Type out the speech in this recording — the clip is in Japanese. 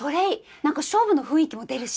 なんか勝負の雰囲気も出るし。